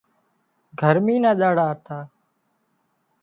گرمي نا ۮاڙا هتا